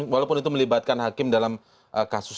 walaupun itu melibatkan hakim dalam kasus